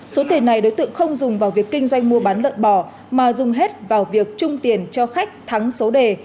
số tiền này đối tượng không dùng vào việc kinh doanh mua bán lợn bỏ mà dùng hết vào việc trung tiền cho khách thắng số đề